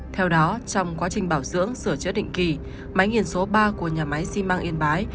theo đó trong quá trình bảo dưỡng sửa chữa định kỳ máy nghiền số ba của nhà máy xi măng yên bái